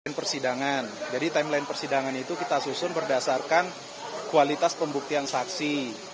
tim persidangan jadi timeline persidangan itu kita susun berdasarkan kualitas pembuktian saksi